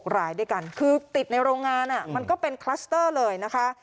รายด้วยกันคือติดในโรงงานมันก็เป็นคลัสเตอร์เลยนะคะ